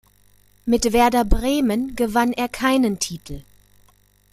Mit Werder Bremen gewann er keinen Titel.